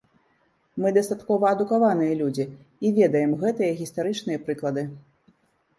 Мы дастаткова адукаваныя людзі і ведаем гэтыя гістарычныя прыклады.